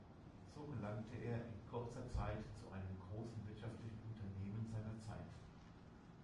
So gelangte er in kurzer Zeit zu einem großen wirtschaftlichen Unternehmen seiner Zeit.